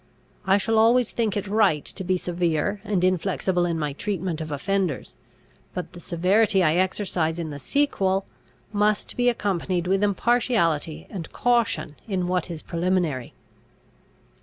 I shall always think it right to be severe and inflexible in my treatment of offenders; but the severity I exercise in the sequel, must be accompanied with impartiality and caution in what is preliminary."